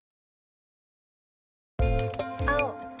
あお。